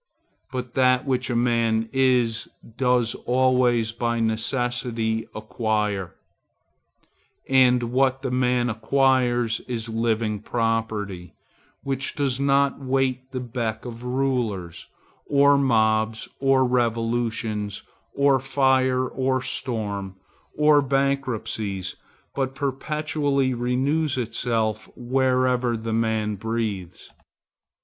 But that which a man is, does always by necessity acquire, and what the man acquires is living property, which does not wait the beck of rulers, or mobs, or revolutions, or fire, or storm, or bankruptcies, but perpetually renews itself wherever the man breathes.